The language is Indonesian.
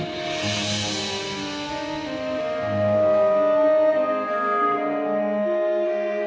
kamu jangan sakiti hati mbak catherine